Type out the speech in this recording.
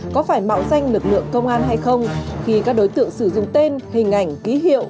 có phải mạo danh lực lượng công an hay không khi các đối tượng sử dụng tên hình ảnh ký hiệu